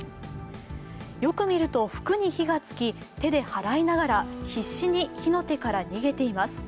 よく見ると、服に火がつき手ではらいながら必死に火の手から逃げています。